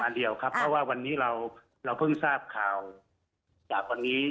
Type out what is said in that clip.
เพราะว่าวันนี้เราเพิ่งทราบข่าวจากวันนี้